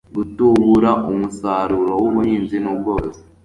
gutubura umusaruro w'ubuhinzi n'ubworozi